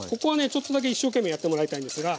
ちょっとだけ一生懸命やってもらいたいんですが。